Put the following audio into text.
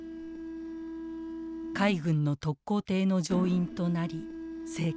海軍の特攻艇の乗員となり生還。